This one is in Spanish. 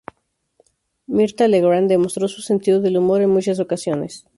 Mirtha Legrand demostró su sentido del humor en muchas ocasiones.